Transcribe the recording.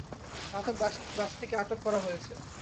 ঘাতক বাসটিকে আটক করা হয়েছে।